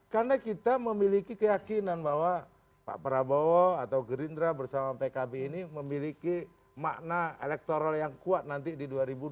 karena kita memiliki keyakinan bahwa pak prabowo atau gerindra bersama pkb ini memiliki makna elektoral yang kuat nanti di dua ribu dua puluh empat